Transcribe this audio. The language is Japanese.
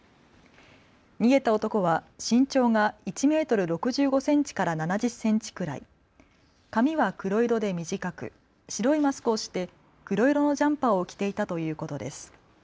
逃げた男は身長が１メートル６５センチから７０センチくらい、髪は黒色で短く、白いマスクをして黒色のジャンパーを着ていたということです。